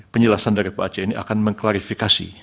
penjelasan dari pak aceh ini akan mengklarifikasi